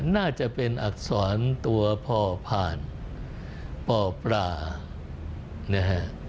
น่าจะเป็นอักษรตัวพอพานพอปลา